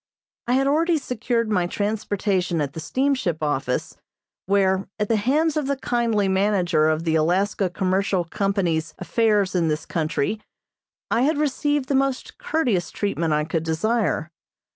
I had already secured my transportation at the steamship office, where, at the hands of the kindly manager of the Alaska Commercial Company's affairs in this country I had received the most courteous treatment I could desire.